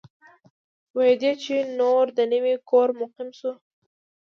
پوهېدی چي نور د نوي کور مقیم سو